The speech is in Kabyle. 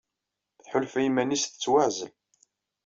Tḥulfa i yiman-nnes tettwaɛzel.